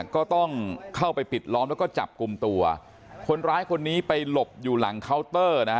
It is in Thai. ก็ต้องเข้าไปปิดล้อมแล้วก็จับกลุ่มตัวคนร้ายคนนี้ไปหลบอยู่หลังเคาน์เตอร์นะฮะ